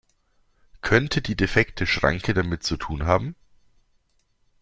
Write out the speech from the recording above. Könnte die defekte Schranke damit zu tun haben?